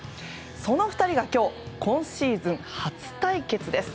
その２人が今日今シーズン初対決です。